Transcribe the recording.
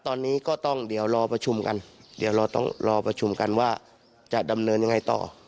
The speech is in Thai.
ตอนนี้ก็ต้องเดี๋ยวรอประชุมกันเดี๋ยวเราต้องรอประชุมกันว่าจะดำเนินยังไงต่อ